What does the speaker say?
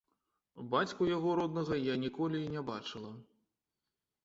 Бацьку яго роднага я ніколі не бачыла.